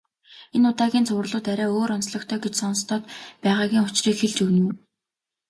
Энэ удаагийн цувралууд арай өөр онцлогтой гэж сонстоод байгаагийн учрыг хэлж өгнө үү.